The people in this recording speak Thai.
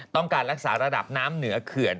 ต้องการรักษาระดับน้ำเหนือเขื่อน